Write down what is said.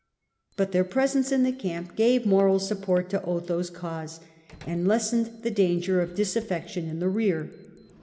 But their presence in the camp gave moral support to Otho's cause, and lessened the danger of disaffection in the rear.